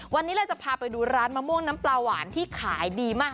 วันนี้เราจะพาไปดูร้านมะม่วงน้ำปลาหวานที่ขายดีมาก